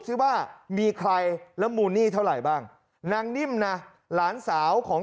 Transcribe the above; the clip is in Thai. ซิว่ามีใครแล้วมูลหนี้เท่าไหร่บ้างนางนิ่มนะหลานสาวของ